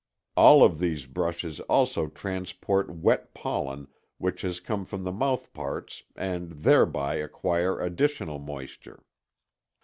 All of these brushes also transport wet pollen which has come from the mouthparts and thereby acquire additional moisture.